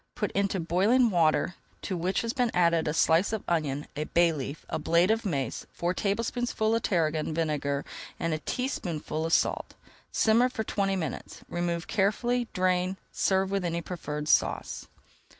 Put into boiling water to which has been added a slice of onion, a bay leaf, a blade of mace, four tablespoonfuls of tarragon vinegar, and a teaspoonful of salt. Simmer for twenty minutes, remove carefully, drain, and serve with any preferred sauce.